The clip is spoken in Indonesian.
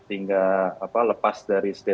hingga lepas dari setelahnya